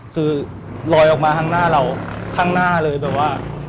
คือลอยออกมาข้างหน้าเราข้างหน้าเลยแบบว่า